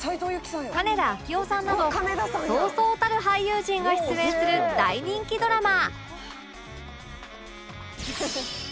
金田明夫さんなどそうそうたる俳優陣が出演する大人気ドラマ